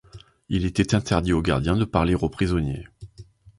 Il était interdit aux gardiens de parler aux prisonniers.